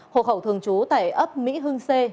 hồ khẩu thường trú tại ấp mỹ hưng c